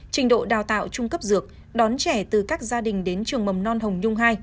trình độ đào tạo trung cấp dược đón trẻ từ các gia đình đến trường mầm non hồng nhung hai